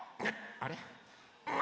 あれ？